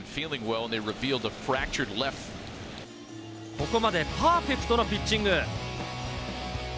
ここまでパーフェクトのピッチング。